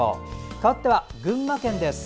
かわっては群馬県です。